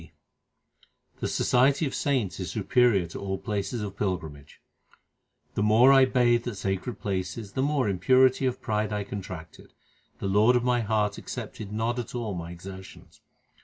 ASHTAPADI The society of saints is superior to all places of pilgrimage : The more I bathed at sacred places the more impurity of pride I contracted ; the Lord of my heart accepted not at all my exertions.